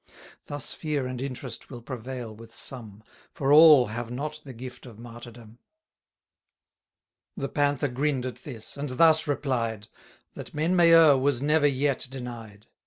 Thus fear and interest will prevail with some; For all have not the gift of martyrdom. The Panther grinn'd at this, and thus replied: 60 That men may err was never yet denied.